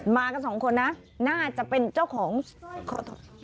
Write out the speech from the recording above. มากัน๒คนน่าจะเป็นเจ้าของส้อยคอทองคำ